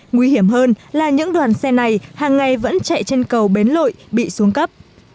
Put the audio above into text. nguy hiểm hơn là những đoàn xe này hàng ngày vẫn chạy trên cầu bến lội bị xuống cấp